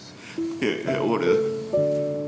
いやいや俺。